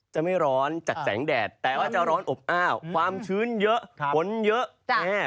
จะไม่ร้อนจากแสงแดดแต่ว่าจะร้อนอบอ้าวความชื้นเยอะฝนเยอะ